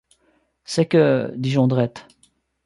C’est que… dit Jondrette.